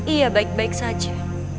iya baik baik saja